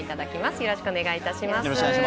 よろしくお願いします。